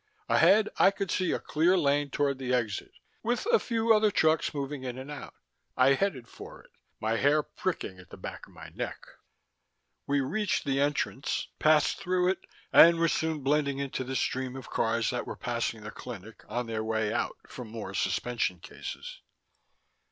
Ahead, I could see a clear lane toward the exit, with a few other trucks moving in and out. I headed for it, my hair prickling at the back of my neck. We reached the entrance, passed through it, and were soon blending into the stream of cars that were passing the clinic on their way out for more suspension cases.